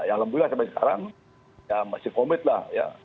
alhamdulillah sampai sekarang masih komit lah